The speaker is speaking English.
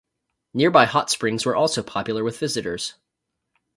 Nearby hot springs were also popular with visitors.